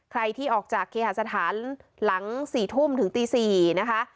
ใครที่ออกจากเคหาสถานหลัง๔ทุ่มถึงตี๔นะคะ